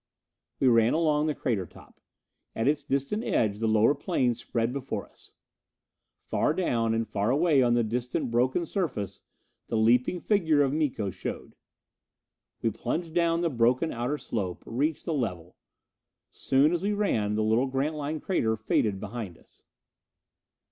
We ran along the crater top. At its distant edge the lower plain spread before us. Far down, and far away on the distant broken surface, the leaping figure of Miko showed. We plunged down the broken outer slope, reached the level. Soon, as we ran, the little Grantline crater faded behind us.